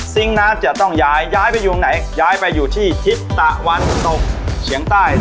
ซิงค์น้นต้องย้ายย้ายไปอยู่ไหนย้ายไปที่ทิศตะวันตกเฉียงใต้